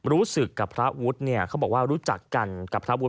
รู้สึกกับพระอุทธิ์เขาบอกว่ารู้จักกันกับพระอุทธิ์